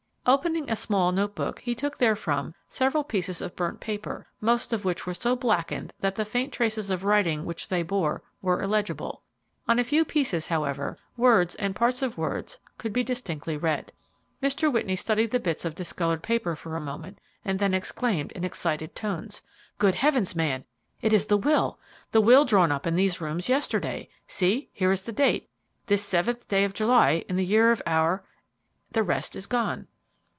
Opening a small note book, he took therefrom several pieces of burnt paper, most of which were so blackened that the faint traces of writing which they bore were illegible. On a few pieces, however, words and parts of words could be distinctly read. Mr. Whitney studied the bits of discolored paper for a moment, and then exclaimed in excited tones, "Good heavens, man! it is the will! The will drawn up in these rooms yesterday! See, here is the date, 'this seventh day of July, in the year of our' the rest is gone."